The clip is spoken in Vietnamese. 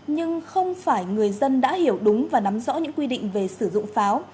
những người dân đã hiểu đúng và nắm rõ những quy định về sử dụng pháo